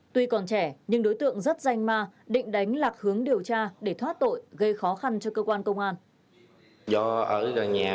tuy còn trẻ nhưng đối tượng rất danh ma định đánh lạc hướng điều tra để thoát tội gây khó khăn cho cơ quan công an